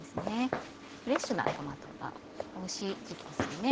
フレッシュなトマトがおいしい時期ですよね。